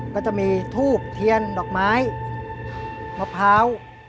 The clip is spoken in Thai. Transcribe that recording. ก็จะมีทูบเทียนดอกไม้มะพร้าว